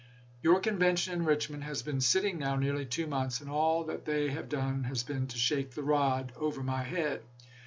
Your convention in Richmond has been sitting now nearly two months, and all that they have done has been to shake the rod over my head.